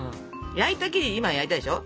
焼いた生地今焼いたでしょ？